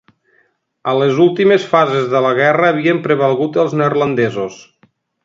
A les últimes fases de la guerra havien prevalgut els neerlandesos.